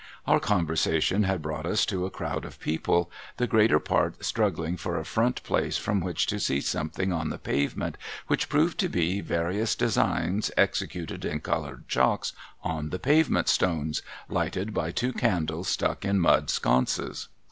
Our conversation had brought us to a crowd of people, the greater part struggling for a front place from which to see some thing on the pavement, which proved to be various designs executed in coloured chalks on the pavement stones, lighted by two candles stuck in mud sconces.